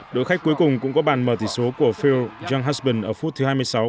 đội khách cuối cùng cũng có bàn mở tỷ số của phil younghusband ở phút thứ hai mươi sáu